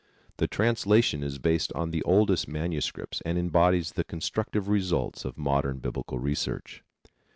The translation is based on the oldest manuscripts and embodies the constructive results of modern Biblical research.